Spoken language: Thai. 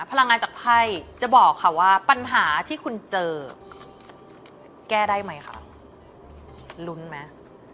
พลังงานจากไพ่จะบอกค่ะว่าปัญหาที่คุณเจอแก้ได้ไหมคะลุ้นไหม